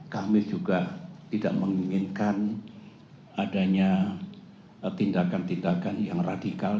kami juga tidak menginginkan adanya tindakan tindakan yang radikal